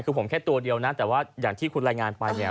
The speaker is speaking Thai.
คือผมแค่ตัวเดียวนะแต่ว่าอย่างที่คุณรายงานไปเนี่ย